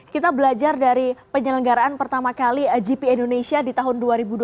kita belajar dari penyelenggaraan pertama kali gp indonesia di tahun dua ribu dua puluh